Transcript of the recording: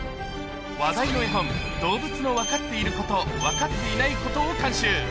話題の絵本、どうぶつのわかっていることわかっていないことを監修。